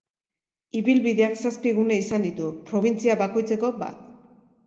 Ibilbideak zazpi gune izan ditu, probintzia bakoitzeko bat.